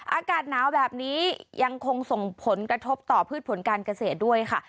อากาศหนาวแบบนี้ยังคงส่งผลกระทบต่อพืชผลการเกษตรด้วยค่ะ